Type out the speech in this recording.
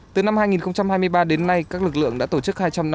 từ năm hai nghìn hai mươi ba đến nay các lực lượng đã tổ chức hai trăm năm mươi